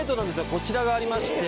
こちらがありまして。